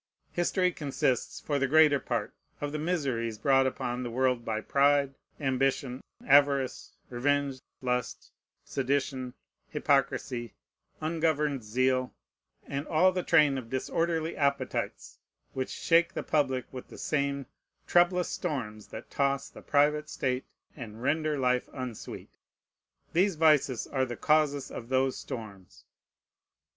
History consists, for the greater part, of the miseries brought upon the world by pride, ambition, avarice, revenge, lust, sedition, hypocrisy, ungoverned zeal, and all the train of disorderly appetites, which shake the public with the same "troublous storms that toss The private state, and render life unsweet." These vices are the causes of those storms.